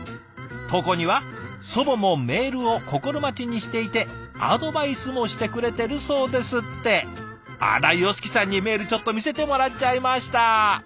投稿には「祖母もメールを心待ちにしていてアドバイスもしてくれてるそうです」ってあらヨシキさんにメールちょっと見せてもらっちゃいました。